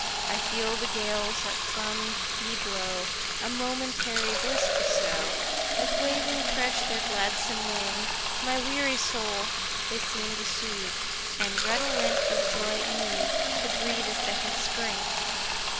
I feel the gales, that from ye blow, A momentary bliss bestow, As waving fresh their gladsome wing, My weary soul they seem to soothe, And, redolent of joy and youth, To breathe a second spring.